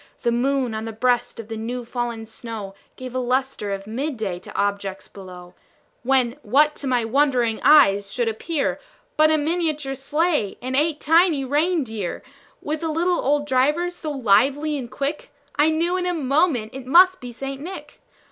The moon, on the breast of the new fallen snow, Gave a lustre of mid day to objects below; When, what to my wondering eyes should appear, But a miniature sleigh, and eight tiny rein deer, With a little old driver, so lively and quick, I knew in a moment it must be St. Nick.